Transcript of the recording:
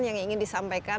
dan yang ingin disampaikan